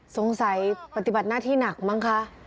สงสัยปฏิบัติหน้าที่หนักบ้างค่ะ